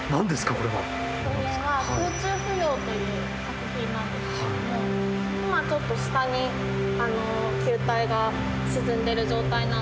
これは「空中浮揚」という作品なんですけども今はちょっと下に球体が沈んでる状態なんですけれども。